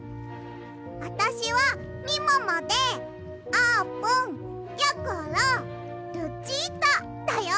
あたしはみももであーぷんやころルチータだよ！